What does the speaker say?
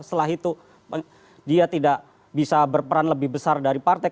setelah itu dia tidak bisa berperan lebih besar dari partai